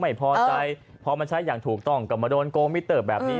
ไม่พอใจพอมันใช้อย่างถูกต้องก็มาโดนโกงมิเตอร์แบบนี้